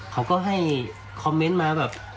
เขาก็ให้คอมเมนต์มาแบบ